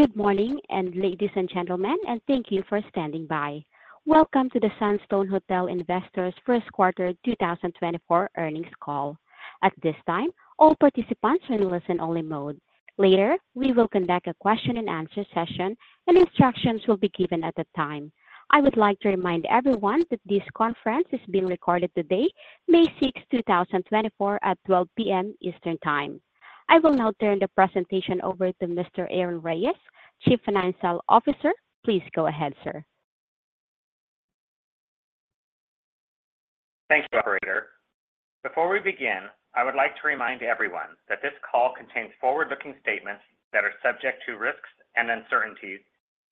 Good morning, ladies and gentlemen, and thank you for standing by. Welcome to the Sunstone Hotel Investors first quarter 2024 earnings call. At this time, all participants are in listen-only mode. Later, we will conduct a question-and-answer session, and instructions will be given at the time. I would like to remind everyone that this conference is being recorded today, May 6, 2024, at 12:00 P.M. Eastern Time. I will now turn the presentation over to Mr. Aaron A. Rice, Chief Financial Officer. Please go ahead, sir. Thank you, operator. Before we begin, I would like to remind everyone that this call contains forward-looking statements that are subject to risks and uncertainties,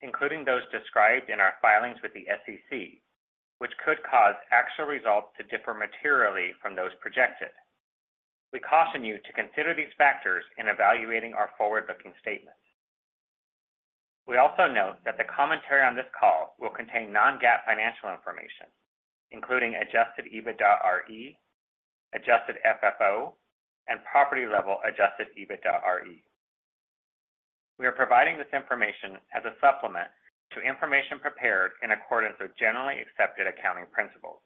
including those described in our filings with the SEC, which could cause actual results to differ materially from those projected. We caution you to consider these factors in evaluating our forward-looking statements. We also note that the commentary on this call will contain non-GAAP financial information, including Adjusted EBITDAre, Adjusted FFO, and property-level Adjusted EBITDAre. We are providing this information as a supplement to information prepared in accordance with generally accepted accounting principles.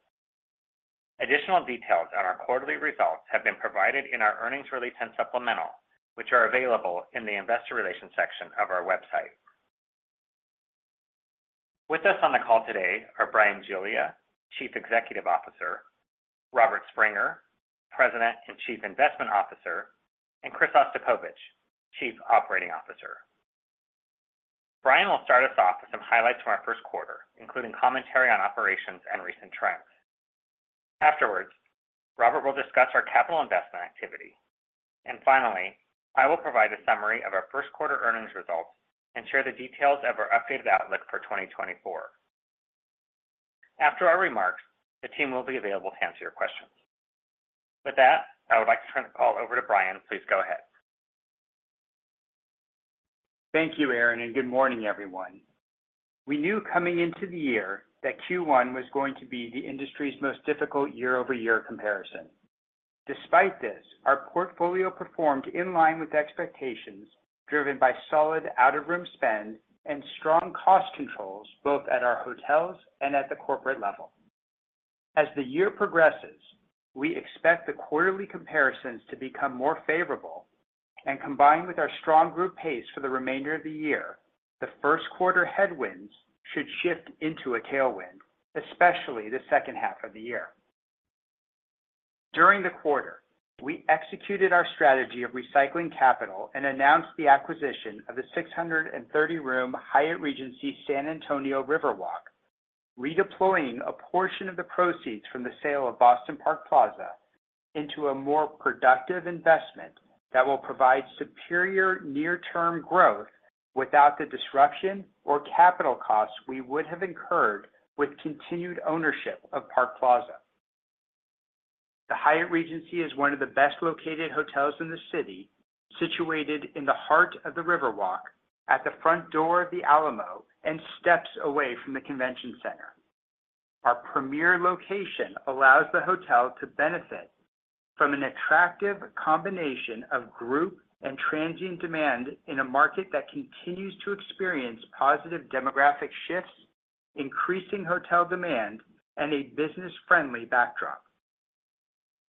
Additional details on our quarterly results have been provided in our earnings release and supplemental, which are available in the investor relations section of our website. With us on the call today are Bryan Giglia, Chief Executive Officer, Robert Springer, President and Chief Investment Officer, and Chris Ostapovicz, Chief Operating Officer. Bryan will start us off with some highlights from our first quarter, including commentary on operations and recent trends. Afterwards, Robert will discuss our capital investment activity, and finally, I will provide a summary of our first quarter earnings results and share the details of our updated outlook for 2024. After our remarks, the team will be available to answer your questions. With that, I would like to turn the call over to Bryan. Please go ahead. Thank you, Aaron, and good morning, everyone. We knew coming into the year that Q1 was going to be the industry's most difficult year-over-year comparison. Despite this, our portfolio performed in line with expectations, driven by solid out-of-room spend and strong cost controls, both at our hotels and at the corporate level. As the year progresses, we expect the quarterly comparisons to become more favorable and combined with our strong group pace for the remainder of the year, the first quarter headwinds should shift into a tailwind, especially the second half of the year. During the quarter, we executed our strategy of recycling capital and announced the acquisition of the 600-room Hyatt Regency San Antonio Riverwalk, redeploying a portion of the proceeds from the sale of Boston Park Plaza into a more productive investment that will provide superior near-term growth without the disruption or capital costs we would have incurred with continued ownership of Park Plaza. The Hyatt Regency is one of the best-located hotels in the city, situated in the heart of the Riverwalk at the front door of the Alamo and steps away from the convention center. Our premier location allows the hotel to benefit from an attractive combination of group and transient demand in a market that continues to experience positive demographic shifts, increasing hotel demand, and a business-friendly backdrop.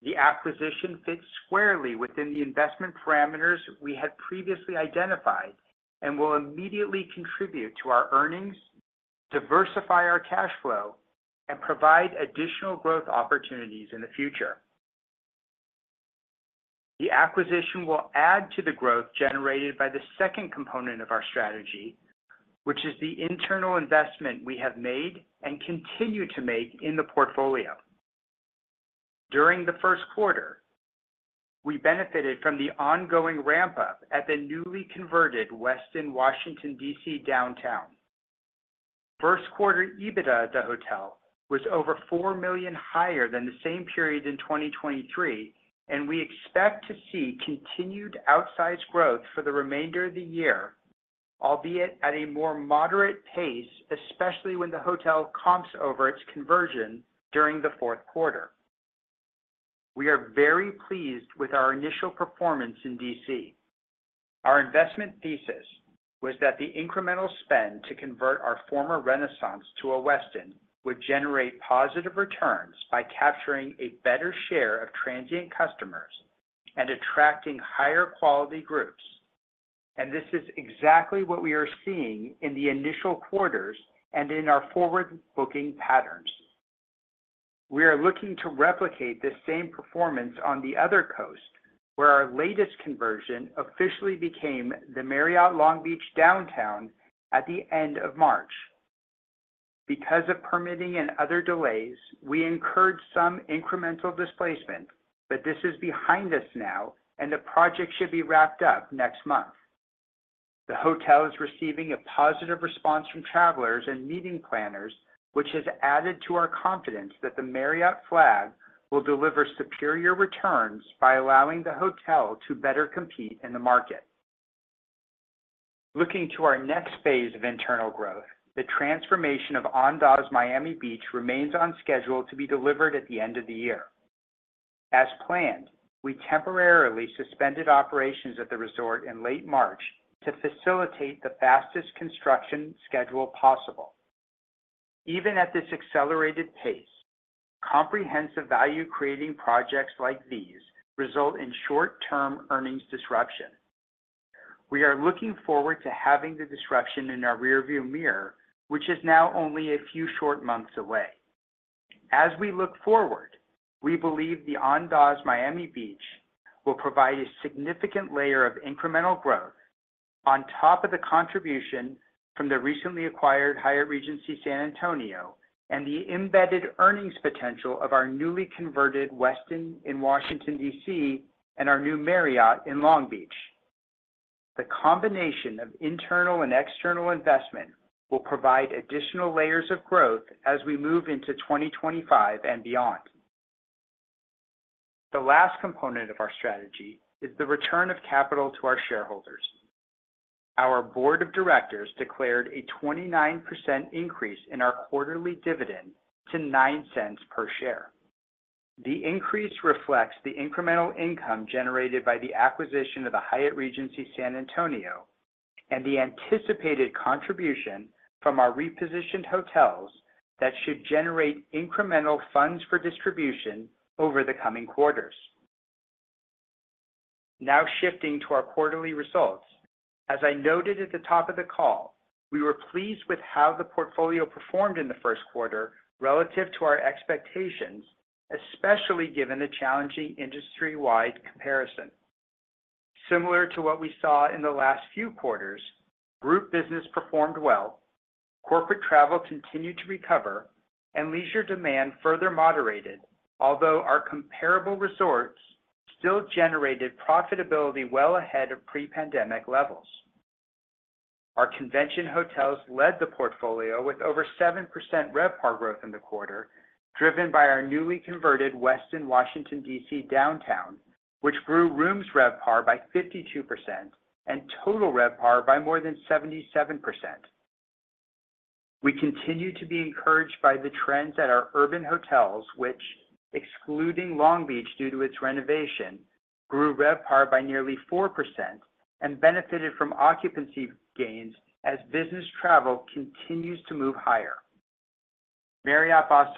The acquisition fits squarely within the investment parameters we had previously identified and will immediately contribute to our earnings, diversify our cash flow, and provide additional growth opportunities in the future. The acquisition will add to the growth generated by the second component of our strategy, which is the internal investment we have made and continue to make in the portfolio. During the first quarter, we benefited from the ongoing ramp-up at the newly converted Westin Washington, D.C. Downtown. First quarter EBITDA at the hotel was over $4 million higher than the same period in 2023, and we expect to see continued outsized growth for the remainder of the year, albeit at a more moderate pace, especially when the hotel comps over its conversion during the fourth quarter. We are very pleased with our initial performance in D.C. Our investment thesis was that the incremental spend to convert our former Renaissance to a Westin would generate positive returns by capturing a better share of transient customers and attracting higher quality groups. This is exactly what we are seeing in the initial quarters and in our forward-booking patterns. We are looking to replicate this same performance on the other coast, where our latest conversion officially became the Marriott Long Beach Downtown at the end of March. Because of permitting and other delays, we incurred some incremental displacement, but this is behind us now, and the project should be wrapped up next month. The hotel is receiving a positive response from travelers and meeting planners, which has added to our confidence that the Marriott flag will deliver superior returns by allowing the hotel to better compete in the market. Looking to our next phase of internal growth, the transformation of The Confidante Miami Beach remains on schedule to be delivered at the end of the year. As planned, we temporarily suspended operations at the resort in late March to facilitate the fastest construction schedule possible. Even at this accelerated pace, comprehensive value-creating projects like these result in short-term earnings disruption. We are looking forward to having the disruption in our rearview mirror, which is now only a few short months away. As we look forward, we believe the Andaz Miami Beach will provide a significant layer of incremental growth on top of the contribution from the recently acquired Hyatt Regency San Antonio Riverwalk, and the embedded earnings potential of our newly converted Westin in Washington, D.C., and our new Marriott Long Beach Downtown. The combination of internal and external investment will provide additional layers of growth as we move into 2025 and beyond. The last component of our strategy is the return of capital to our shareholders. Our board of directors declared a 29% increase in our quarterly dividend to $0.09 per share. The increase reflects the incremental income generated by the acquisition of the Hyatt Regency San Antonio, and the anticipated contribution from our repositioned hotels that should generate incremental funds for distribution over the coming quarters. Now, shifting to our quarterly results. As I noted at the top of the call, we were pleased with how the portfolio performed in the first quarter relative to our expectations, especially given the challenging industry-wide comparison. Similar to what we saw in the last few quarters, group business performed well, corporate travel continued to recover, and leisure demand further moderated, although our comparable resorts still generated profitability well ahead of pre-pandemic levels. Our convention hotels led the portfolio with over 7% RevPAR growth in the quarter, driven by our newly converted Westin Washington, D.C. Downtown, which grew rooms RevPAR by 52% and total RevPAR by more than 77%. We continue to be encouraged by the trends at our urban hotels, which excluding Long Beach due to its renovation, grew RevPAR by nearly 4% and benefited from occupancy gains as business travel continues to move higher. Boston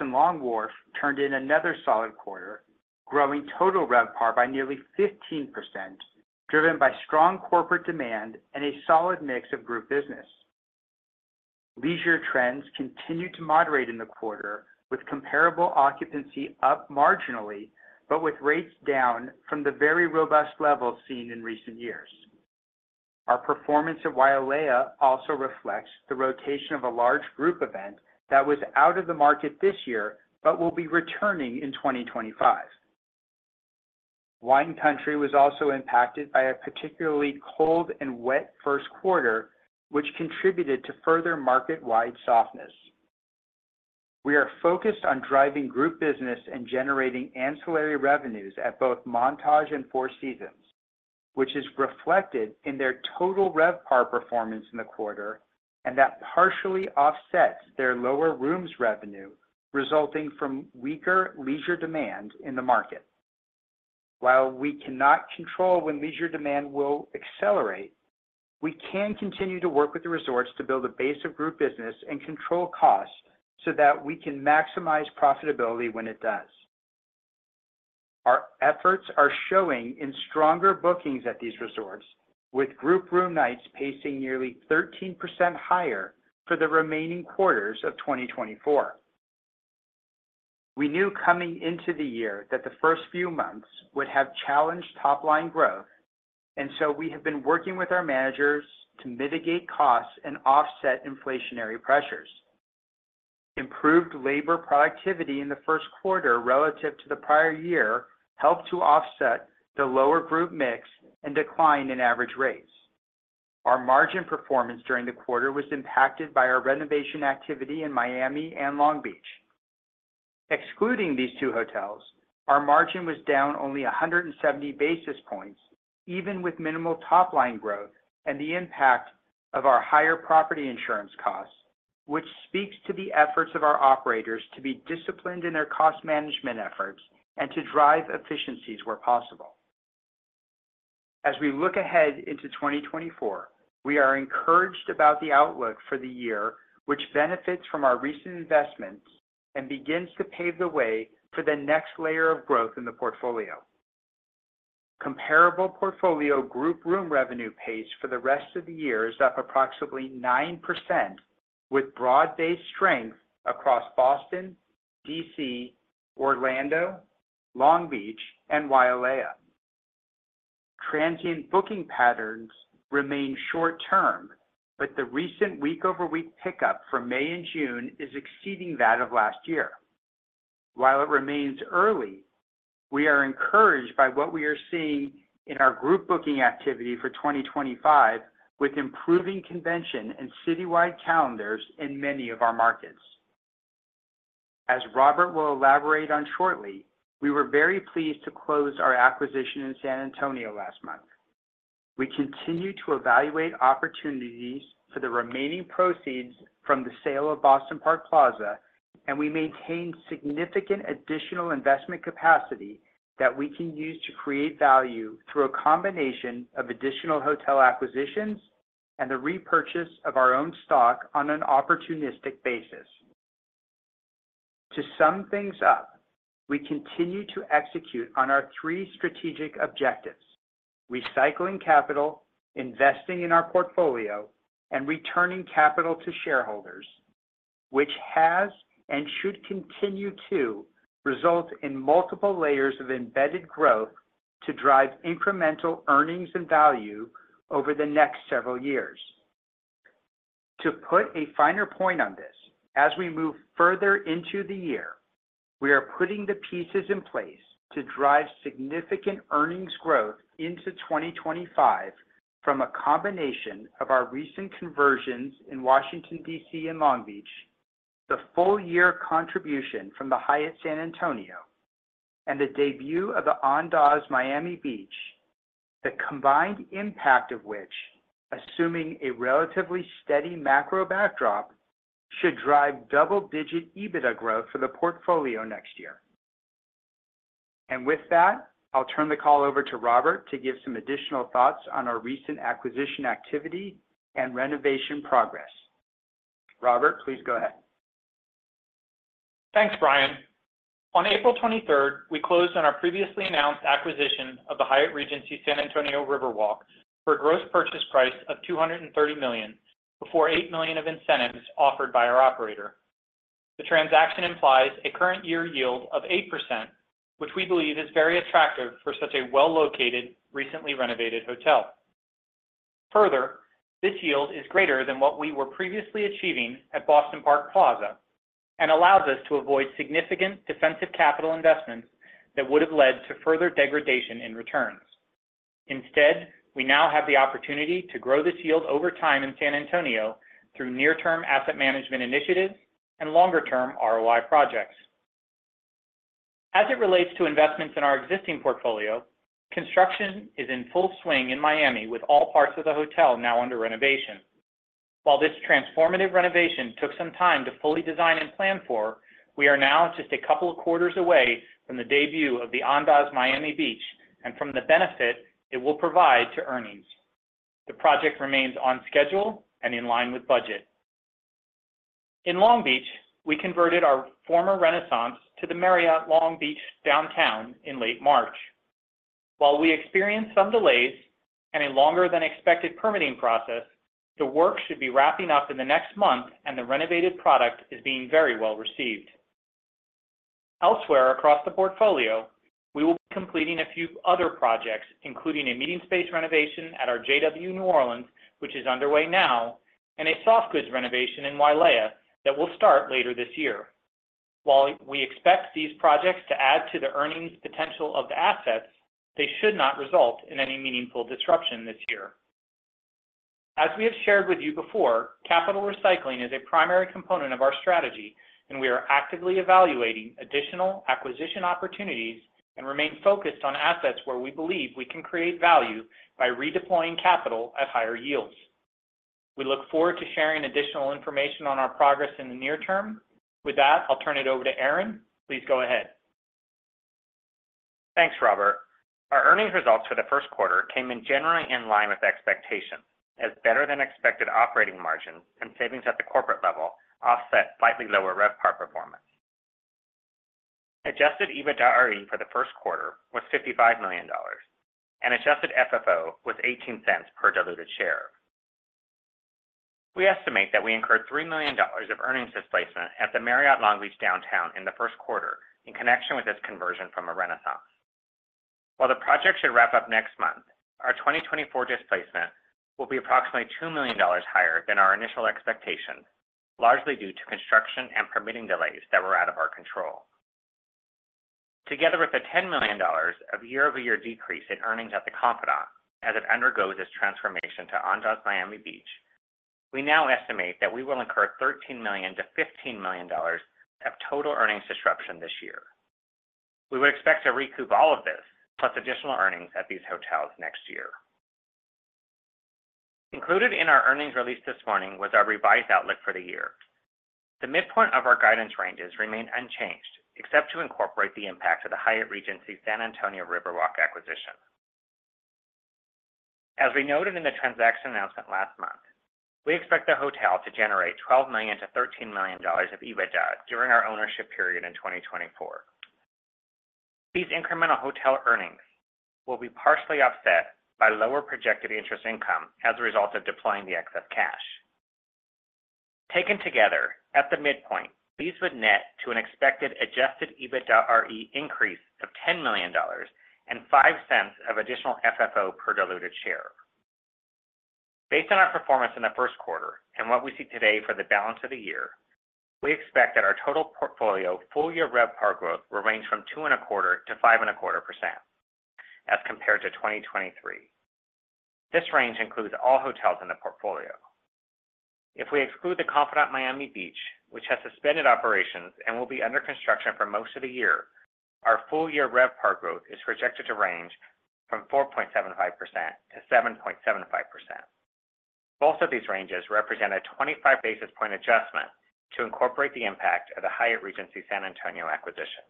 Marriott Long Wharf turned in another solid quarter, growing total RevPAR by nearly 15%, driven by strong corporate demand and a solid mix of group business. Leisure trends continued to moderate in the quarter, with comparable occupancy up marginally, but with rates down from the very robust levels seen in recent years. Our performance at Wailea also reflects the rotation of a large group event that was out of the market this year, but will be returning in 2025. Wine Country was also impacted by a particularly cold and wet first quarter, which contributed to further market-wide softness. We are focused on driving group business and generating ancillary revenues at both Montage and Four Seasons, which is reflected in their total RevPAR performance in the quarter, and that partially offsets their lower rooms revenue, resulting from weaker leisure demand in the market. While we cannot control when leisure demand will accelerate, we can continue to work with the resorts to build a base of group business and control costs so that we can maximize profitability when it does. Our efforts are showing in stronger bookings at these resorts, with group room nights pacing nearly 13% higher for the remaining quarters of 2024. We knew coming into the year that the first few months would have challenged top-line growth, and so we have been working with our managers to mitigate costs and offset inflationary pressures. Improved labor productivity in the first quarter relative to the prior year helped to offset the lower group mix and decline in average rates. Our margin performance during the quarter was impacted by our renovation activity in Miami and Long Beach. Excluding these two hotels, our margin was down only 100 basis points, even with minimal top-line growth and the impact of our higher property insurance costs, which speaks to the efforts of our operators to be disciplined in their cost management efforts and to drive efficiencies where possible. As we look ahead into 2024, we are encouraged about the outlook for the year, which benefits from our recent investments and begins to pave the way for the next layer of growth in the portfolio. Comparable portfolio group room revenue pace for the rest of the year is up approximately 9%, with broad-based strength across Boston, D.C., Orlando, Long Beach, and Wailea. Transient booking patterns remain short-term, but the recent week-over-week pickup for May and June is exceeding that of last year. While it remains early, we are encouraged by what we are seeing in our group booking activity for 2025, with improving convention and citywide calendars in many of our markets. As Robert will elaborate on shortly, we were very pleased to close our acquisition in San Antonio last month. We continue to evaluate opportunities for the remaining proceeds from the sale of Boston Park Plaza, and we maintain significant additional investment capacity that we can use to create value through a combination of additional hotel acquisitions and the repurchase of our own stock on an opportunistic basis. To sum things up, we continue to execute on our three strategic objectives: recycling capital, investing in our portfolio, and returning capital to shareholders, which has and should continue to result in multiple layers of embedded growth to drive incremental earnings and value over the next several years. To put a finer point on this, as we move further into the year, we are putting the pieces in place to drive significant earnings growth into 2025 from a combination of our recent conversions in Washington, D.C., and Long Beach, the full year contribution from the Hyatt San Antonio, and the debut of the Andaz Miami Beach, the combined impact of which, assuming a relatively steady macro backdrop, should drive double-digit EBITDA growth for the portfolio next year. And with that, I'll turn the call over to Robert to give some additional thoughts on our recent acquisition activity and renovation progress. Robert, please go ahead. Thanks, Bryan. On April 23rd, we closed on our previously announced acquisition of the Hyatt Regency San Antonio Riverwalk for a gross purchase price of $230 million, before $8 million of incentives offered by our operator. The transaction implies a current year yield of 8%, which we believe is very attractive for such a well-located, recently renovated hotel. Further, this yield is greater than what we were previously achieving at Boston Park Plaza and allows us to avoid significant defensive capital investments that would have led to further degradation in returns. Instead, we now have the opportunity to grow this yield over time in San Antonio through near-term asset management initiatives and longer-term ROI projects. As it relates to investments in our existing portfolio, construction is in full swing in Miami, with all parts of the hotel now under renovation. While this transformative renovation took some time to fully design and plan for, we are now just a couple of quarters away from the debut of the Andaz Miami Beach and from the benefit it will provide to earnings. The project remains on schedule and in line with budget. In Long Beach, we converted our former Renaissance to the Marriott Long Beach Downtown in late March. While we experienced some delays and a longer than expected permitting process, the work should be wrapping up in the next month, and the renovated product is being very well received. Elsewhere across the portfolio, we will be completing a few other projects, including a meeting space renovation at our JW New Orleans, which is underway now, and a soft goods renovation in Wailea that will start later this year. While we expect these projects to add to the earnings potential of the assets, they should not result in any meaningful disruption this year. As we have shared with you before, capital recycling is a primary component of our strategy, and we are actively evaluating additional acquisition opportunities and remain focused on assets where we believe we can create value by redeploying capital at higher yields. We look forward to sharing additional information on our progress in the near term. With that, I'll turn it over to Aaron. Please go ahead. Thanks, Robert. Our earnings results for the first quarter came in generally in line with expectations, as better-than-expected operating margin and savings at the corporate level offset slightly lower RevPAR performance. Adjusted EBITDAre for the first quarter was $55 million, and Adjusted FFO was $0.18 per diluted share. We estimate that we incurred $3 million of earnings displacement at the Marriott Long Beach Downtown in the first quarter in connection with this conversion from a Renaissance. While the project should wrap up next month, our 2024 displacement will be approximately $2 million higher than our initial expectations, largely due to construction and permitting delays that were out of our control. Together with the $10 million of year-over-year decrease in earnings at the Confidante, as it undergoes its transformation to Andaz Miami Beach, we now estimate that we will incur $13 million-$15 million of total earnings disruption this year. We would expect to recoup all of this, plus additional earnings at these hotels next year. Included in our earnings release this morning was our revised outlook for the year. The midpoint of our guidance ranges remained unchanged, except to incorporate the impact of the Hyatt Regency San Antonio Riverwalk acquisition. As we noted in the transaction announcement last month, we expect the hotel to generate $12 million-$13 million of EBITDA during our ownership period in 2024. These incremental hotel earnings will be partially offset by lower projected interest income as a result of deploying the excess cash. Taken together, at the midpoint, these would net to an expected Adjusted EBITDAre increase of $10 million and $0.05 of additional FFO per diluted share. Based on our performance in the first quarter and what we see today for the balance of the year, we expect that our total portfolio full-year RevPAR growth will range from 2.25%-5.25% as compared to 2023. This range includes all hotels in the portfolio. If we exclude the Confidante Miami Beach, which has suspended operations and will be under construction for most of the year, our full-year RevPAR growth is projected to range from 4.75%-7.75%. Both of these ranges represent a 25 basis point adjustment to incorporate the impact of the Hyatt Regency San Antonio acquisition.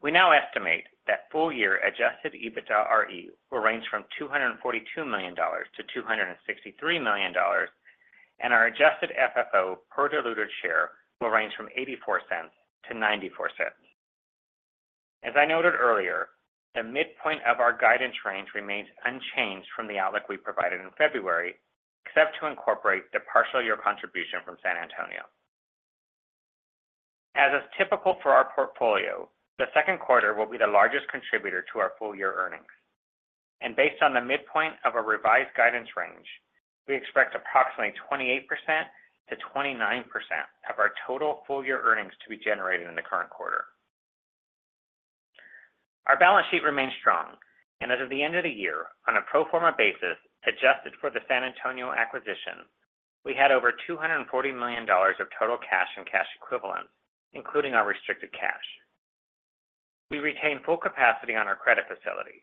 We now estimate that full-year Adjusted EBITDAre will range from $242 million to $263 million, and our Adjusted FFO per diluted share will range from $0.84 to $0.94. As I noted earlier, the midpoint of our guidance range remains unchanged from the outlook we provided in February, except to incorporate the partial year contribution from San Antonio. As is typical for our portfolio, the second quarter will be the largest contributor to our full-year earnings. Based on the midpoint of a revised guidance range, we expect approximately 28%-29% of our total full-year earnings to be generated in the current quarter. Our balance sheet remains strong, and as of the end of the year, on a pro forma basis, adjusted for the San Antonio acquisition, we had over $240 million of total cash and cash equivalents, including our restricted cash. We retained full capacity on our credit facility,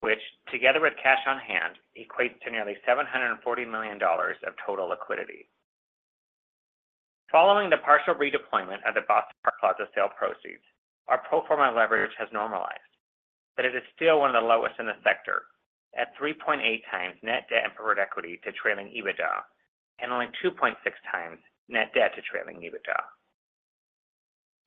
which together with cash on hand, equates to nearly $740 million of total liquidity. Following the partial redeployment of the Boston Park Plaza sale proceeds, our pro forma leverage has normalized, but it is still one of the lowest in the sector at 3.8x net debt and preferred equity to trailing EBITDA, and only 2.6x net debt to trailing EBITDA.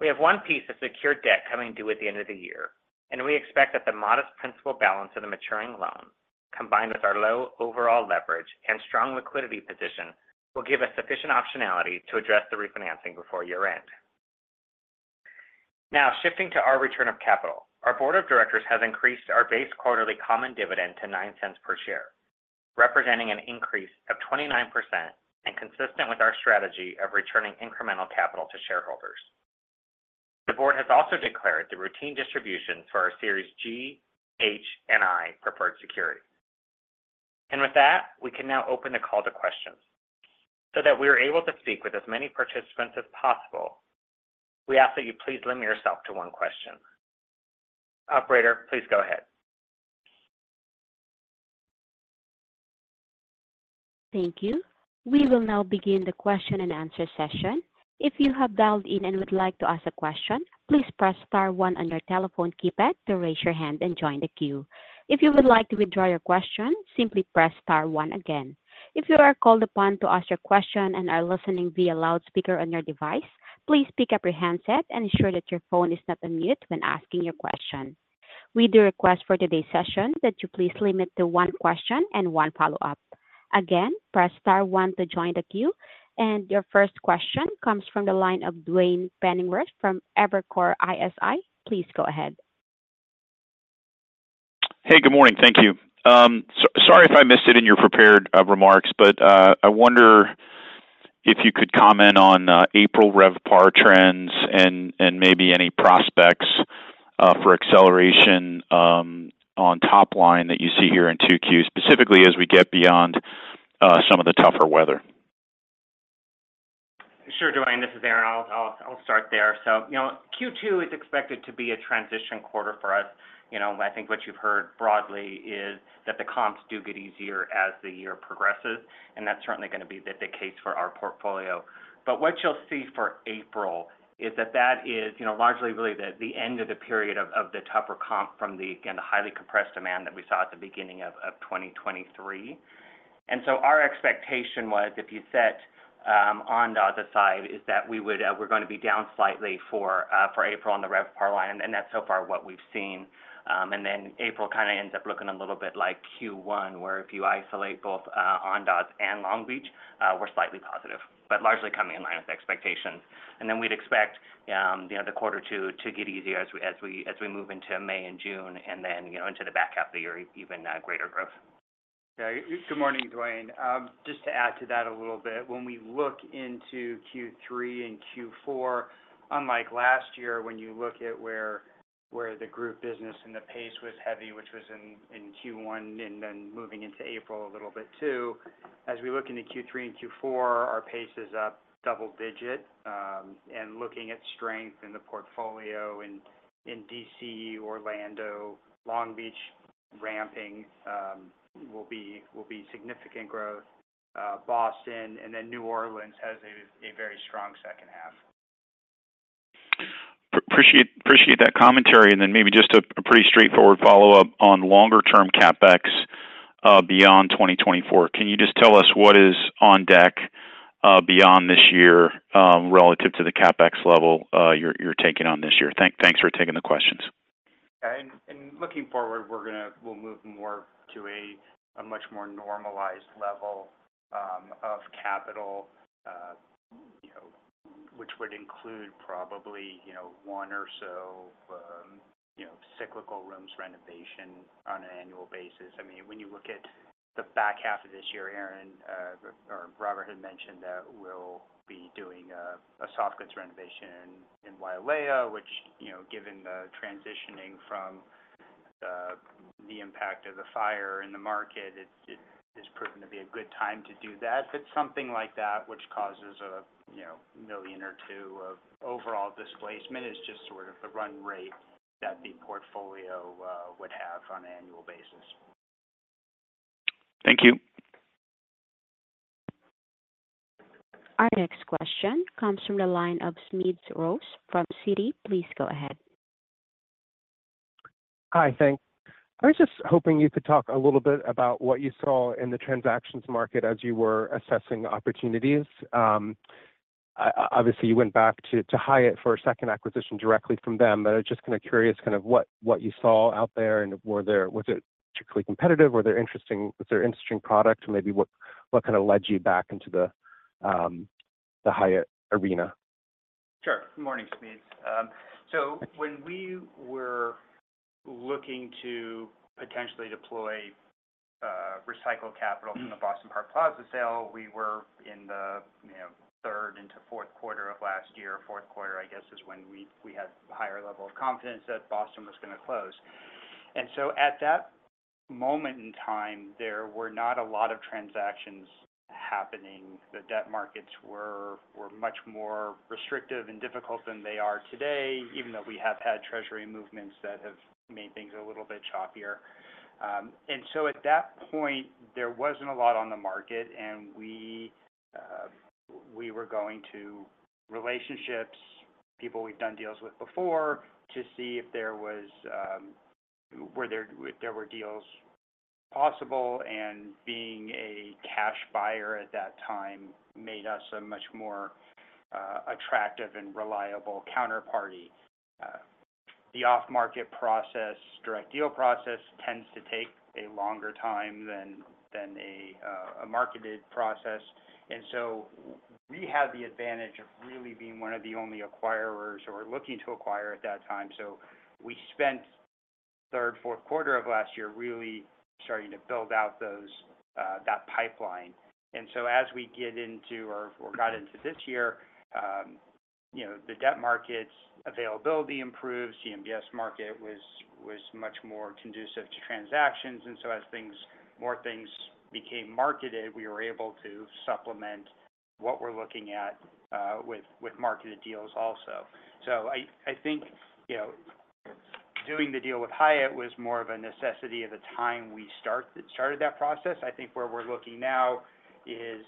We have one piece of secured debt coming due at the end of the year, and we expect that the modest principal balance of the maturing loan, combined with our low overall leverage and strong liquidity position, will give us sufficient optionality to address the refinancing before year-end. Now, shifting to our return of capital. Our board of directors has increased our base quarterly common dividend to $0.09 per share, representing an increase of 29% and consistent with our strategy of returning incremental capital to shareholders. The board has also declared the routine distribution for our Series G, H, and I preferred securities. And with that, we can now open the call to questions. So that we are able to speak with as many participants as possible, we ask that you please limit yourself to one question. Operator, please go ahead. Thank you. We will now begin the Q&A. If you have dialed in and would like to ask a question, please press star one on your telephone keypad to raise your hand and join the queue. If you would like to withdraw your question, simply press star one again. If you are called upon to ask your question and are listening via loudspeaker on your device, please pick up your handset and ensure that your phone is not on mute when asking your question. We do request for today's session that you please limit to one question and one follow-up. Again, press star one to join the queue, and your first question comes from the line of Duane Pfennigwerth from Evercore ISI. Please go ahead. Hey, good morning. Thank you. Sorry if I missed it in your prepared remarks, but I wonder if you could comment on April RevPAR trends and maybe any prospects for acceleration on top line that you see here in 2Q, specifically as we get beyond some of the tougher weather? Sure, Duane, this is Aaron. I'll start there. So, you know, Q2 is expected to be a transition quarter for us. You know, I think what you've heard broadly is that the comps do get easier as the year progresses, and that's certainly going to be the case for our portfolio. But what you'll see for April is that that is, you know, largely really the end of the period of the tougher comp from the, again, the highly compressed demand that we saw at the beginning of 2023. And so our expectation was, if you set on the other side, is that we would be down slightly for April on the RevPAR line, and that's so far what we've seen. And then April kind of ends up looking a little bit like Q1, where if you isolate both Andaz and Long Beach, we're slightly positive, but largely coming in line with expectations. And then we'd expect, you know, the quarter two to get easier as we move into May and June, and then, you know, into the back half of the year, even greater growth. Good morning, Duane. Just to add to that a little bit, when we look into Q3 and Q4, unlike last year, when you look at where the group business and the pace was heavy, which was in Q1 and then moving into April a little bit too, as we look into Q3 and Q4, our pace is up double-digit, and looking at strength in the portfolio in D.C., Orlando, Long Beach, ramping, will be significant growth, Boston, and then New Orleans has a very strong second half. Appreciate, appreciate that commentary, and then maybe just a pretty straightforward follow-up on longer-term CapEx beyond 2024. Can you just tell us what is on deck beyond this year relative to the CapEx level you're taking on this year? Thanks for taking the questions. Looking forward, we're gonna—we'll move more to a much more normalized level of capital you know, which would include probably you know, one or so you know, cyclical rooms renovation on an annual basis. I mean, when you look at the back half of this year, Aaron or Robert had mentioned that we'll be doing a soft goods renovation in Wailea, which you know, given the transitioning from the impact of the fire in the market, it has proven to be a good time to do that. But something like that, which causes a you know, $1 million or $2 million of overall displacement, is just sort of the run rate that the portfolio would have on an annual basis. Thank you. Our next question comes from the line of Smedes Rose from Citi. Please go ahead. Hi, thanks. I was just hoping you could talk a little bit about what you saw in the transactions market as you were assessing opportunities. I obviously went back to Hyatt for a second acquisition directly from them, but I was just kind of curious kind of what you saw out there, and was it particularly competitive? Was there interesting products? Maybe what kind of led you back into the Hyatt arena? Sure. Good morning, Smedes. So when we were looking to potentially deploy recycled capital from the Boston Park Plaza sale, we were in the, you know, third into fourth quarter of last year. Fourth quarter, I guess, is when we had a higher level of confidence that Boston was going to close. And so at that moment in time, there were not a lot of transactions happening. The debt markets were much more restrictive and difficult than they are today, even though we have had treasury movements that have made things a little bit choppier. And so at that point, there wasn't a lot on the market, and we, we were going to relationships, people we've done deals with before, to see if there was, if there were deals possible, and being a cash buyer at that time made us a much more, attractive and reliable counterparty. The off-market process, direct deal process, tends to take a longer time than a marketed process. And so we had the advantage of really being one of the only acquirers who were looking to acquire at that time. So we spent third, fourth quarter of last year really starting to build out those, that pipeline. And so as we get into or got into this year, you know, the debt markets availability improved, CMBS market was much more conducive to transactions. And so as more things became marketed, we were able to supplement what we're looking at with marketed deals also. So I think, you know, doing the deal with Hyatt was more of a necessity of the time we started that process. I think where we're looking now is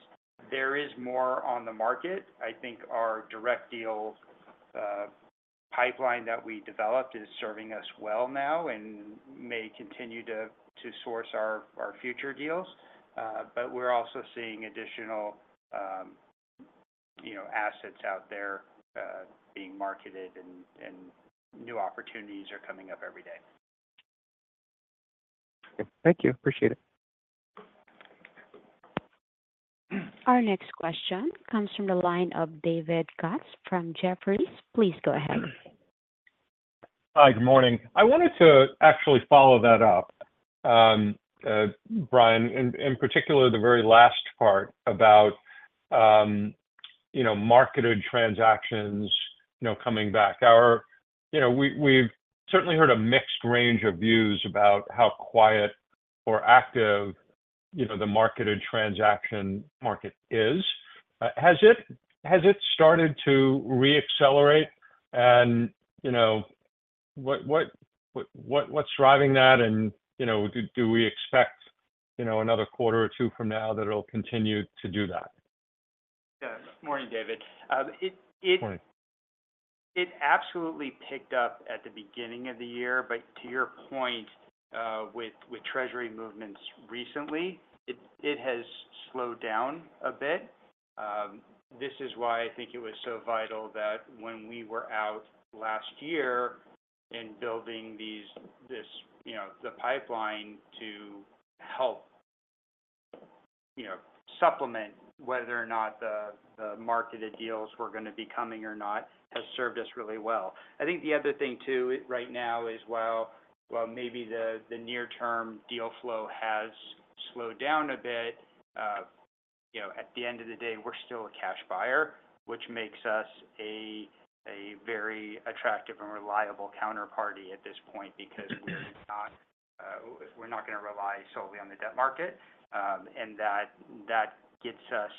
there is more on the market. I think our direct deal pipeline that we developed is serving us well now and may continue to source our future deals. But we're also seeing additional, you know, assets out there being marketed, and new opportunities are coming up every day. Thank you. Appreciate it. Our next question comes from the line of David Katz from Jefferies. Please go ahead. Hi, good morning. I wanted to actually follow that up, Bryan, in particular, the very last part about, you know, marketed transactions, you know, coming back. You know, we, we've certainly heard a mixed range of views about how quiet or active, you know, the marketed transaction market is. Has it started to reaccelerate? And, you know, what, what's driving that? And, you know, do we expect, you know, another quarter or two from now that it'll continue to do that? Yes. Morning, David. Morning. It absolutely picked up at the beginning of the year, but to your point, with treasury movements recently, it has slowed down a bit. This is why I think it was so vital that when we were out last year in building this, you know, the pipeline to help, you know, supplement whether or not the marketed deals were going to be coming or not, has served us really well. I think the other thing, too, right now is, while maybe the near-term deal flow has slowed down a bit, you know, at the end of the day, we're still a cash buyer, which makes us a very attractive and reliable counterparty at this point, because we're not going to rely solely on the debt market. And that, that gets us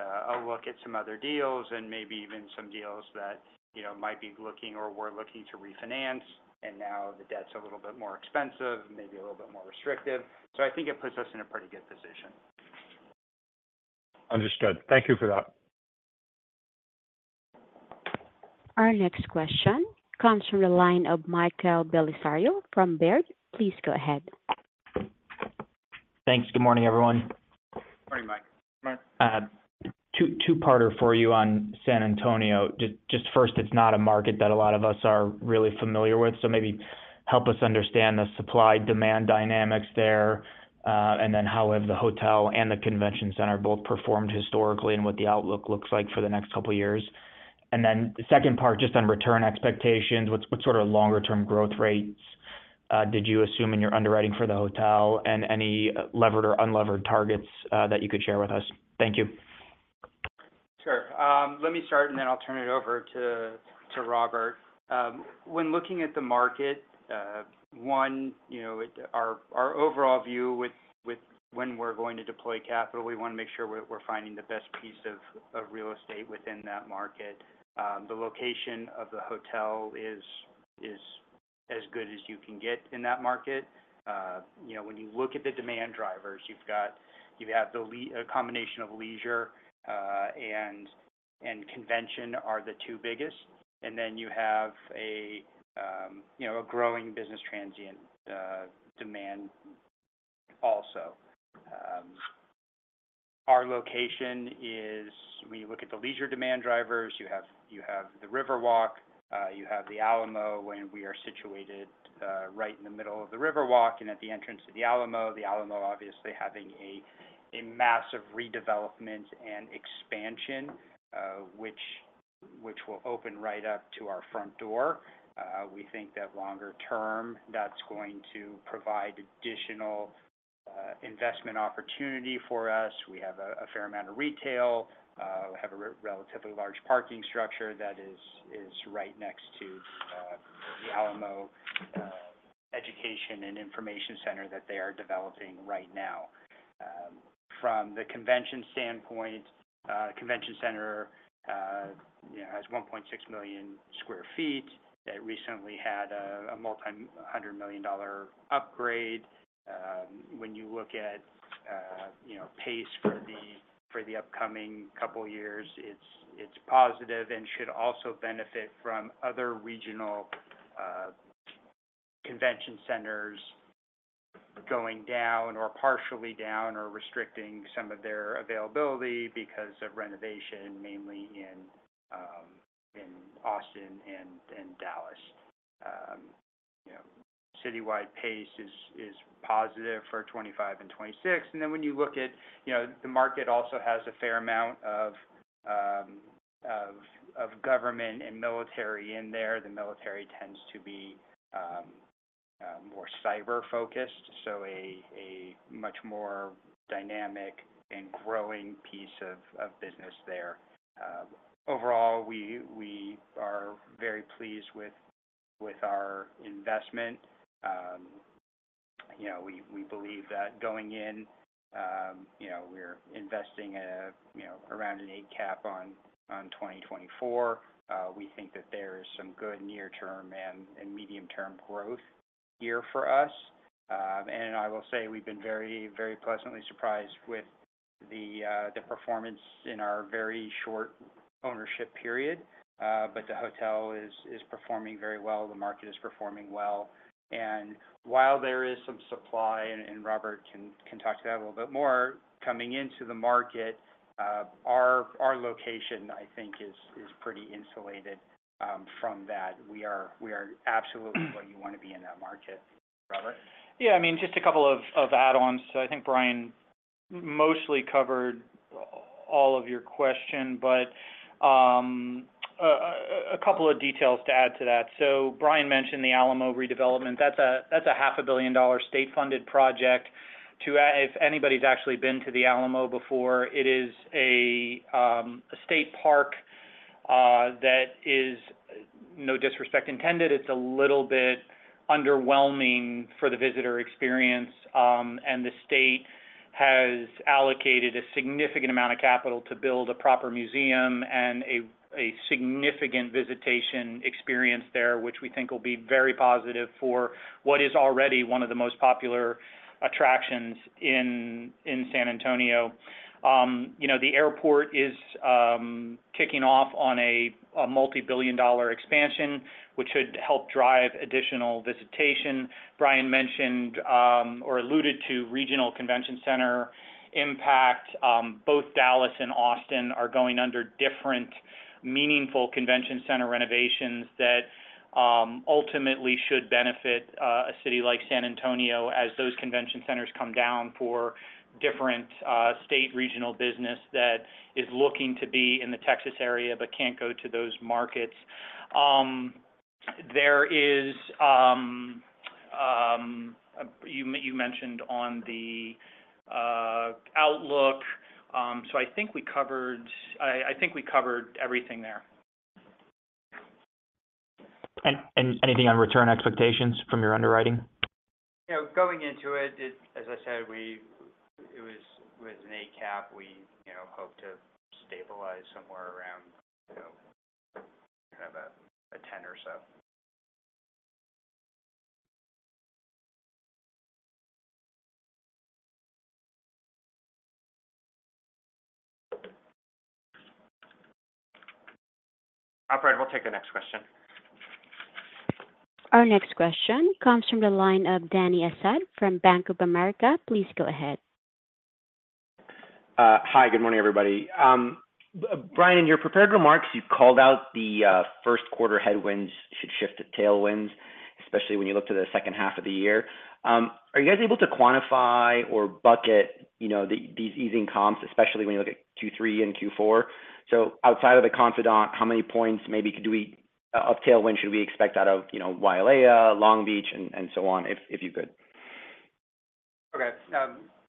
a look at some other deals and maybe even some deals that, you know, might be looking or were looking to refinance, and now the debt's a little bit more expensive and maybe a little bit more restrictive. So I think it puts us in a pretty good position. Understood. Thank you for that. Our next question comes from the line of Michael Bellisario from Baird. Please go ahead. Thanks. Good morning, everyone. Morning, Mike. A two-parter for you on San Antonio. Just first, it's not a market that a lot of us are really familiar with, so maybe help us understand the supply-demand dynamics there, and then how have the hotel and the convention center both performed historically and what the outlook looks like for the next couple of years? And then the second part, just on return expectations, what sort of longer-term growth rates did you assume in your underwriting for the hotel? And any levered or unlevered targets that you could share with us? Thank you. Sure. Let me start and then I'll turn it over to Robert. When looking at the market, you know, our overall view with when we're going to deploy capital, we wanna make sure we're finding the best piece of real estate within that market. The location of the hotel is as good as you can get in that market. You know, when you look at the demand drivers, you have a combination of leisure and convention are the two biggest, and then you have a growing business transient demand also. Our location is, when you look at the leisure demand drivers, you have, you have the Riverwalk, you have the Alamo, and we are situated right in the middle of the Riverwalk and at the entrance to the Alamo. The Alamo, obviously, having a massive redevelopment and expansion, which will open right up to our front door. We think that longer term, that's going to provide additional investment opportunity for us. We have a fair amount of retail. We have a relatively large parking structure that is right next to the Alamo Education and Information Center that they are developing right now. From the convention standpoint, convention center, you know, has 1.6 million sq ft. It recently had a multi-hundred million dollar upgrade. When you look at, you know, pace for the upcoming couple of years, it's positive and should also benefit from other regional convention centers going down or partially down, or restricting some of their availability because of renovation, mainly in Austin and Dallas. Citywide pace is positive for 25 and 26. Then when you look at, you know, the market also has a fair amount of government and military in there. The military tends to be more cyber-focused, so a much more dynamic and growing piece of business there. Overall, we are very pleased with our investment. You know, we believe that going in, you know, we're investing around an 8-cap on 2024. We think that there is some good near-term and medium-term growth here for us. And I will say we've been very, very pleasantly surprised with the performance in our very short ownership period. But the hotel is performing very well, the market is performing well. And while there is some supply, and Robert can talk to that a little bit more coming into the market, our location, I think, is pretty insulated from that. We are absolutely where you want to be in that market. Robert? Yeah, I mean, just a couple of add-ons. So I think Bryan mostly covered all of your question, but, a couple of details to add to that. So Bryan mentioned the Alamo redevelopment. That's a $500 million state-funded project. If anybody's actually been to the Alamo before, it is a state park that is, no disrespect intended, it's a little bit underwhelming for the visitor experience, and the state has allocated a significant amount of capital to build a proper museum and a significant visitation experience there, which we think will be very positive for what is already one of the most popular attractions in San Antonio. You know, the airport is kicking off on a multibillion-dollar expansion, which should help drive additional visitation. Bryan mentioned, or alluded to regional convention center impact. Both Dallas and Austin are going under different meaningful convention center renovations that ultimately should benefit a city like San Antonio, as those convention centers come down for different state regional business that is looking to be in the Texas area, but can't go to those markets. There is... You, you mentioned on the outlook, so I think we covered-- I, I think we covered everything there. Anything on return expectations from your underwriting? You know, going into it, as I said, it was with an 8-cap. We, you know, hope to stabilize somewhere around, you know, kind of a 10 or so. All right, we'll take the next question. Our next question comes from the line of Dany Asad from Bank of America. Please go ahead. Hi, good morning, everybody. Bryan, in your prepared remarks, you've called out the first quarter headwinds should shift to tailwinds, especially when you look to the second half of the year. Are you guys able to quantify or bucket, you know, these easing comps, especially when you look at Q3 and Q4? So outside of the Confidante, how many points maybe could of tailwind should we expect out of, you know, Wailea, Long Beach, and so on, if you could?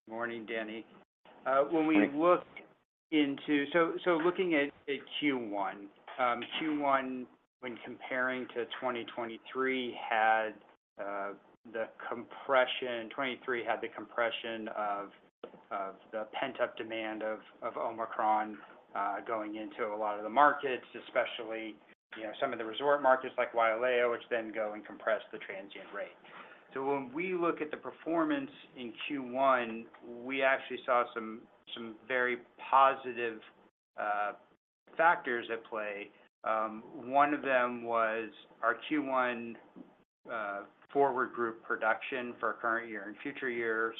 Morning, Dany. When we look into— So, looking at Q1, Q1, when comparing to 2023, had the compression, 2023 had the compression of the pent-up demand of Omicron going into a lot of the markets, especially, you know, some of the resort markets like Wailea, which then go and compress the transient rate. So when we look at the performance in Q1, we actually saw some very positive factors at play. One of them was our Q1 forward group production for current year and future years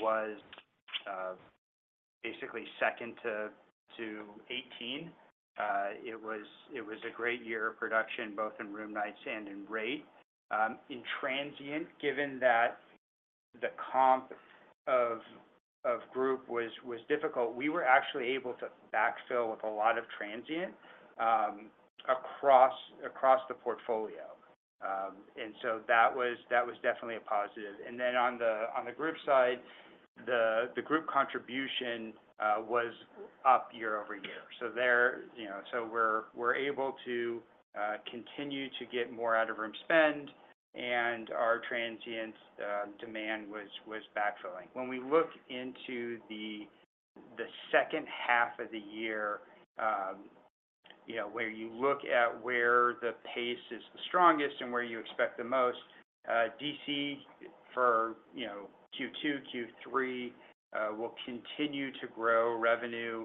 was basically second to 18. It was a great year of production, both in room nights and in rate. In transient, given that the comp of group was difficult, we were actually able to backfill with a lot of transient across the portfolio. And so that was definitely a positive. And then on the group side, the group contribution was up year-over-year. So there, you know, so we're able to continue to get more out of room spend, and our transient demand was backfilling. When we look into the second half of the year, you know, where you look at where the pace is the strongest and where you expect the most D.C. for, you know, Q2, Q3 will continue to grow revenue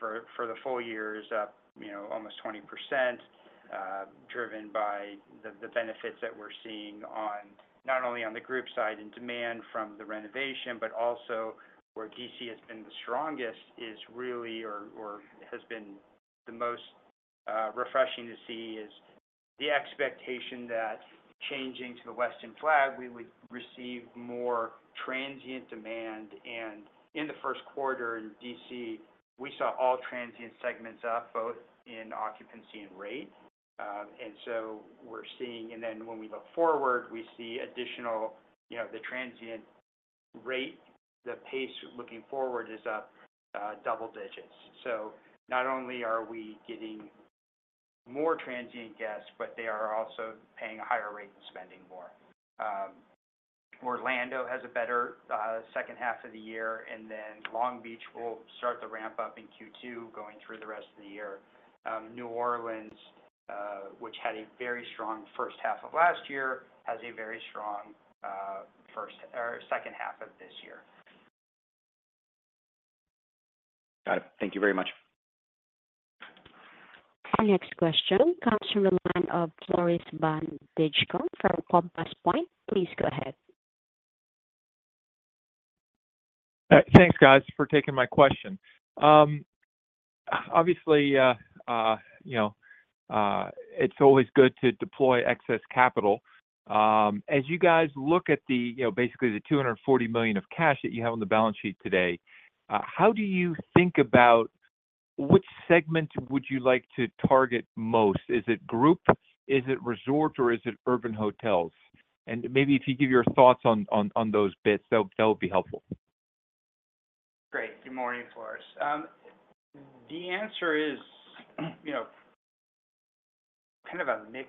for the full year is up, you know, almost 20% driven by the benefits that we're seeing on... Not only on the group side and demand from the renovation, but also where D.C. has been the strongest, is really has been the most refreshing to see is the expectation that changing to the Westin flag, we would receive more transient demand. And in the first quarter in D.C., we saw all transient segments up, both in occupancy and rate. And so we're seeing. And then when we look forward, we see additional, you know, the transient rate, the pace looking forward is up double-digits. So not only are we getting more transient guests, but they are also paying a higher rate and spending more. Orlando has a better second half of the year, and then Long Beach will start to ramp up in Q2, going through the rest of the year. New Orleans, which had a very strong first half of last year, has a very strong first or second half of this year. Got it. Thank you very much. Our next question comes from the line of Floris van Dijkum from Compass Point. Please go ahead. Thanks, guys, for taking my question. Obviously, you know, it's always good to deploy excess capital. As you guys look at the, you know, basically the $240 million of cash that you have on the balance sheet today, how do you think about which segment would you like to target most? Is it group, is it resort, or is it urban hotels? And maybe if you give your thoughts on those bits, that would be helpful. Great. Good morning, Floris. The answer is, you know, kind of a mix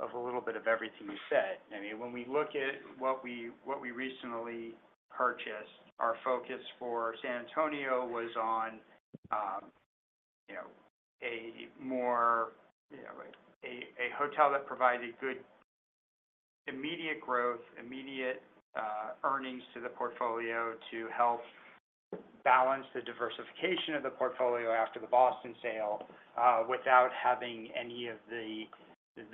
of a little bit of everything you said. I mean, when we look at what we recently purchased, our focus for San Antonio was on, you know, a hotel that provided good immediate growth, immediate earnings to the portfolio to help balance the diversification of the portfolio after the Boston sale, without having any of the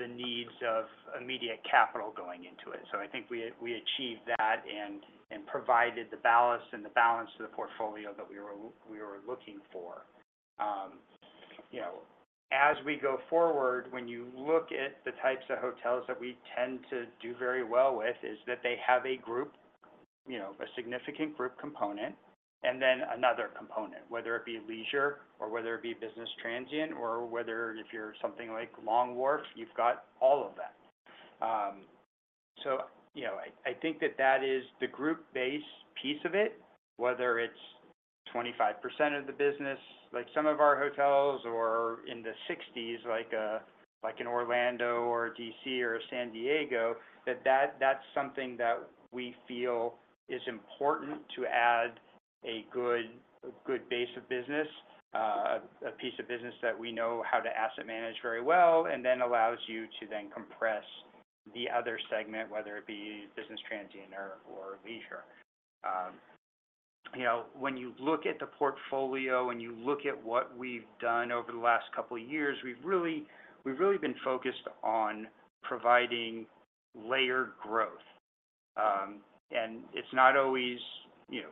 needs of immediate capital going into it. So I think we achieved that and provided the balance to the portfolio that we were looking for. You know, as we go forward, when you look at the types of hotels that we tend to do very well with, is that they have a group, you know, a significant group component and then another component, whether it be leisure or whether it be business transient, or whether if you're something like Long Wharf, you've got all of that. So you know, I think that that is the group base piece of it, whether it's 25% of the business, like some of our hotels, or in the 60s, like in Orlando or D.C. or San Diego, that, that, that's something that we feel is important to add a good, a good base of business, a piece of business that we know how to asset manage very well, and then allows you to then compress the other segment, whether it be business transient or, or leisure. You know, when you look at the portfolio and you look at what we've done over the last couple of years, we've really, we've really been focused on providing layered growth. And it's not always, you know,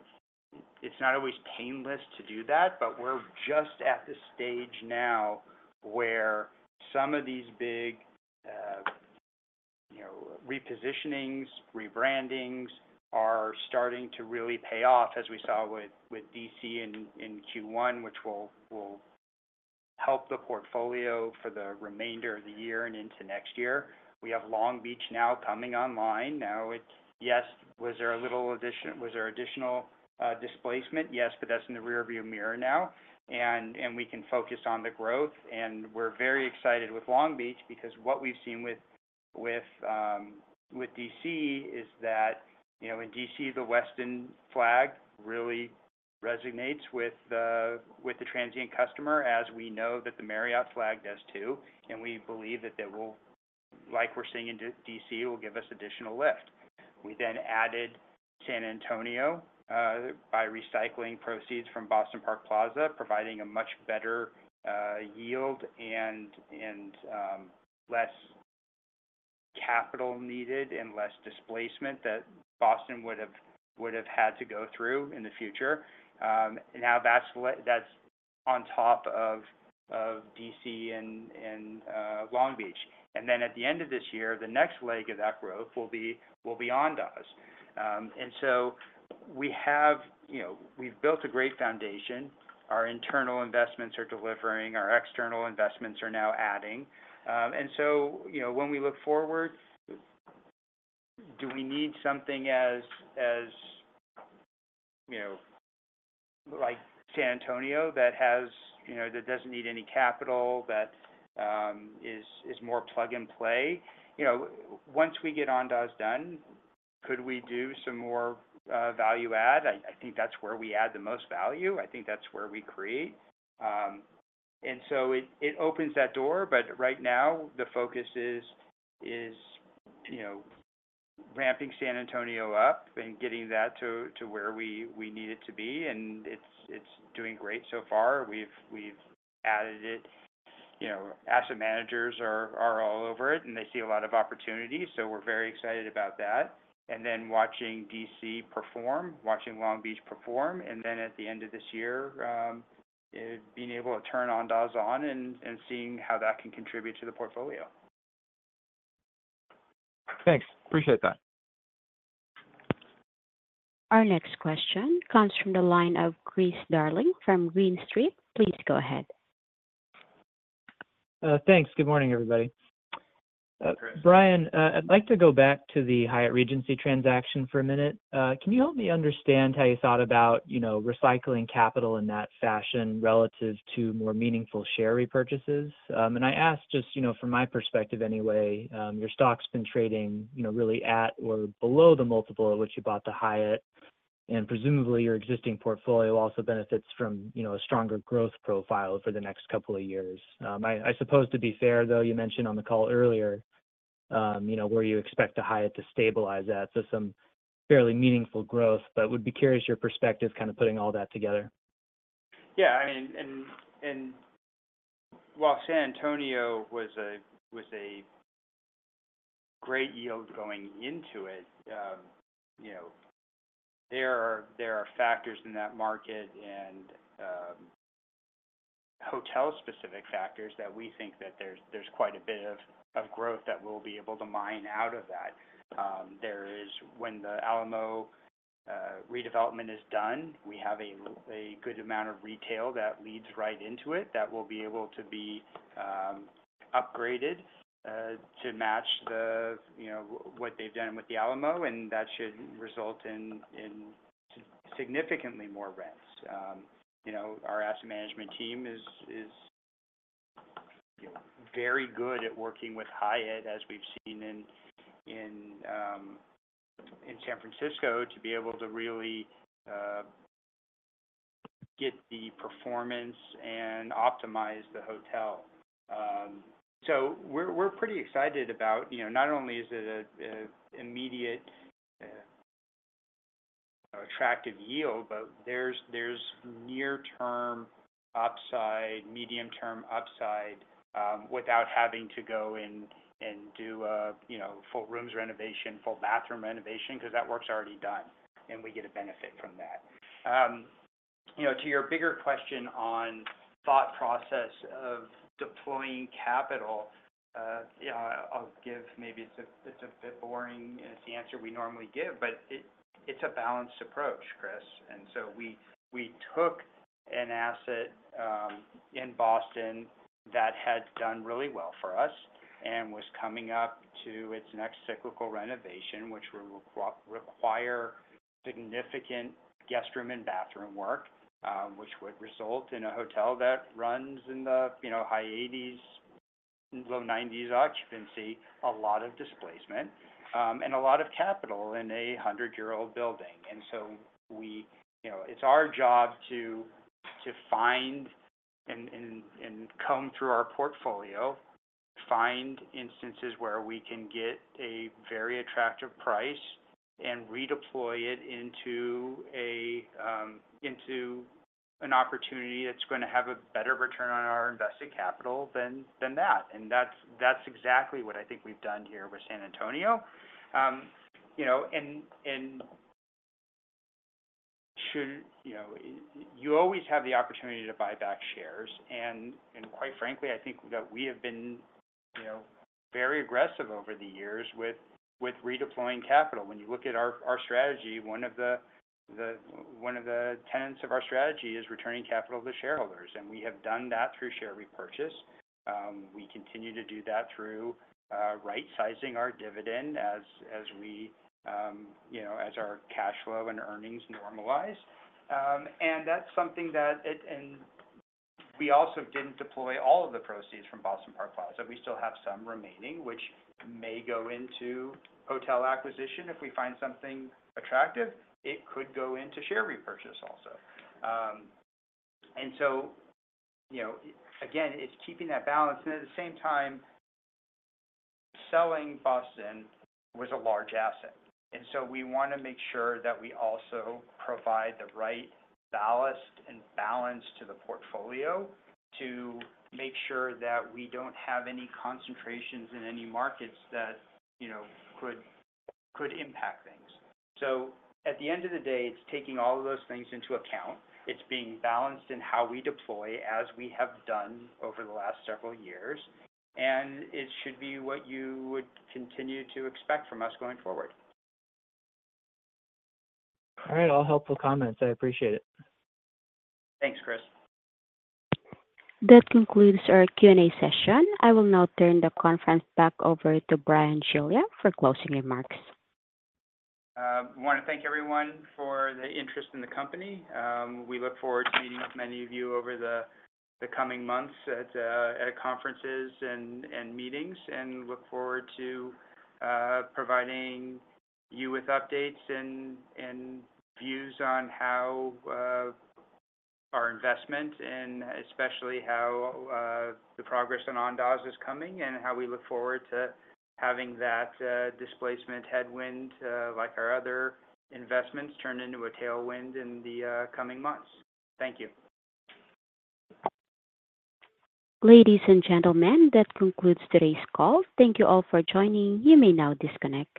it's not always painless to do that, but we're just at the stage now where some of these big, you know, repositionings, rebrandings are starting to really pay off, as we saw with, with D.C. in, in Q1, which we'll help the portfolio for the remainder of the year and into next year. We have Long Beach now coming online. Now, it's yes, was there a little addition? Was there additional displacement? Yes, but that's in the rearview mirror now, and we can focus on the growth. We're very excited with Long Beach because what we've seen with D.C. is that, you know, in D.C., the Westin flag really resonates with the transient customer as we know that the Marriott flag does too, and we believe that they will, like we're seeing in D.C., give us additional lift. We then added San Antonio by recycling proceeds from Boston Park Plaza, providing a much better yield and less capital needed and less displacement that Boston would have had to go through in the future. Now, that's on top of D.C. and Long Beach. Then at the end of this year, the next leg of that growth will be Andaz. And so we have, you know, we've built a great foundation. Our internal investments are delivering, our external investments are now adding. And so, you know, when we look forward, do we need something, you know, like San Antonio, that has, you know, that doesn't need any capital, that is more plug-and-play? You know, once we get Andaz done, could we do some more value add? I think that's where we add the most value. I think that's where we create. And so it opens that door, but right now, the focus is, you know, ramping San Antonio up and getting that to where we need it to be, and it's doing great so far. We've added it. You know, asset managers are all over it, and they see a lot of opportunity, so we're very excited about that. And then watching D.C. perform, watching Long Beach perform, and then at the end of this year, being able to turn Andaz on and seeing how that can contribute to the portfolio. Thanks. Appreciate that. Our next question comes from the line of Chris Woronka from Deutsche Bank. Please go ahead. Thanks. Good morning, everybody. Chris. Bryan, I'd like to go back to the Hyatt Regency transaction for a minute. Can you help me understand how you thought about, you know, recycling capital in that fashion relative to more meaningful share repurchases? And I ask just, you know, from my perspective anyway, your stock's been trading, you know, really at or below the multiple at which you bought the Hyatt, and presumably, your existing portfolio also benefits from, you know, a stronger growth profile for the next couple of years. I suppose to be fair, though, you mentioned on the call earlier, you know, where you expect the Hyatt to stabilize at, so some fairly meaningful growth, but would be curious your perspective, kind of putting all that together. Yeah, I mean, while San Antonio was a great yield going into it, you know, there are factors in that market and hotel-specific factors that we think that there's quite a bit of growth that we'll be able to mine out of that. There is. When the Alamo redevelopment is done, we have a good amount of retail that leads right into it that will be able to be upgraded to match the, you know, what they've done with the Alamo, and that should result in significantly more rents. You know, our asset management team is very good at working with Hyatt, as we've seen in San Francisco, to be able to really get the performance and optimize the hotel. So we're pretty excited about, you know, not only is it an immediate attractive yield, but there's near-term upside, medium-term upside, without having to go in and do a, you know, full rooms renovation, full bathroom renovation, 'cause that work's already done, and we get a benefit from that. You know, to your bigger question on thought process of deploying capital, yeah, I'll give maybe it's a bit boring, and it's the answer we normally give, but it's a balanced approach, Chris. And so we took an asset in Boston that had done really well for us and was coming up to its next cyclical renovation, which would require significant guest room and bathroom work, which would result in a hotel that runs in the, you know, high 80s, low 90s occupancy, a lot of displacement, and a lot of capital in a 100-year-old building. And so you know, it's our job to find and comb through our portfolio, find instances where we can get a very attractive price and redeploy it into an opportunity that's gonna have a better return on our invested capital than that. And that's exactly what I think we've done here with San Antonio. You know, and should... You know, you always have the opportunity to buy back shares, and quite frankly, I think that we have been, you know, very aggressive over the years with redeploying capital. When you look at our strategy, one of the tenets of our strategy is returning capital to shareholders, and we have done that through share repurchase. We continue to do that through right-sizing our dividend as we, you know, as our cash flow and earnings normalize. And that's something and we also didn't deploy all of the proceeds from Boston Park Plaza. We still have some remaining, which may go into hotel acquisition. If we find something attractive, it could go into share repurchase also. And so, you know, again, it's keeping that balance, and at the same time, selling Boston was a large asset, and so we wanna make sure that we also provide the right ballast and balance to the portfolio to make sure that we don't have any concentrations in any markets that, you know, could impact things. At the end of the day, it's taking all of those things into account. It's being balanced in how we deploy, as we have done over the last several years, and it should be what you would continue to expect from us going forward. All right. All helpful comments. I appreciate it. Thanks, Chris. That concludes our Q&A session. I will now turn the conference back over to Bryan Giglia for closing remarks. I wanna thank everyone for the interest in the company. We look forward to meeting many of you over the coming months at conferences and meetings, and we look forward to providing you with updates and views on how our investment, and especially how the progress on Andaz is coming, and how we look forward to having that displacement headwind, like our other investments, turn into a tailwind in the coming months. Thank you. Ladies and gentlemen, that concludes today's call. Thank you all for joining. You may now disconnect.